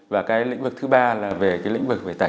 và cái lĩnh vực thứ ba là về lĩnh vực về tài khoản